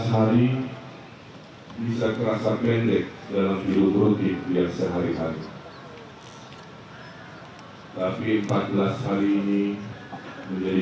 empat belas hari bisa terasa pendek dalam hidup hidup biasa hari hari tapi empat belas hari ini menjadi